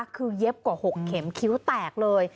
คือเย็บกว่า๖เข็มคิ้วแตกเลย